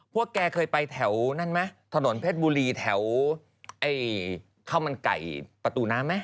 พวกแกเคยไปแถวนั้นไหมถนนเพชรบุรีแถวข้าวมันไก่ประตูน้ำไหม